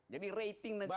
jadi rating negara